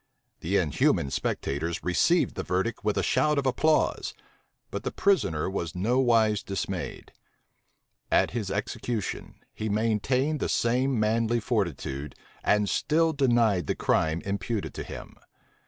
The inhuman spectators received the verdict with a shout of applause: but the prisoner was nowise dismayed. At his execution, he maintained the same manly fortitude, and still denied the crime imputed to him.